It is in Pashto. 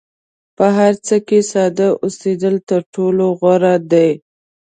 په هر څه کې ساده اوسېدل تر ټولو غوره دي.